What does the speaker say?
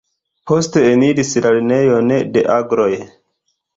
Poste eniris la "Lernejon de Agloj".